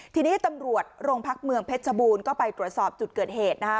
ทีนี้ตำรวจโรงพักเมืองเพชรชบูรณ์ก็ไปตรวจสอบจุดเกิดเหตุนะคะ